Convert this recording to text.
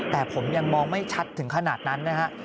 แต่ผมยังมองไม่ชัดถึงขนาดนั้นนะฮะ